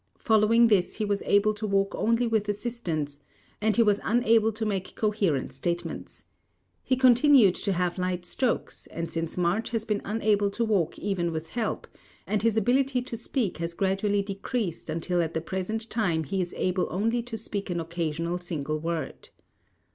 Following this he was able to walk only with assistance and he was unable to make coherent statements. He continued to have light strokes and since March has been unable to walk even with help, and his ability to speak has gradually decreased until at the present time he is able only to speak an occasional single word.